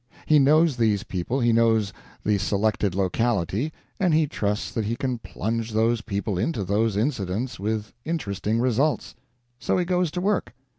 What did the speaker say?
He knows these people, he knows the selected locality, and he trusts that he can plunge those people into those incidents with interesting results. So he goes to work.